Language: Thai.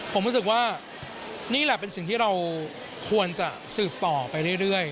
ผมรู้สึกว่านี่แหละเป็นสิ่งที่เราควรจะสืบต่อไปเรื่อย